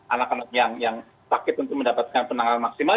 anak anak yang sakit untuk mendapatkan penanganan maksimal